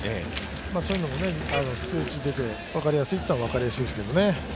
そういうのも数字で出て分かりやすいっちゃ分かりやすいですけどね。